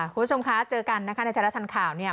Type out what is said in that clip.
คุณผู้ชมคะเจอกันนะคะในไทยรัฐทันข่าวเนี่ย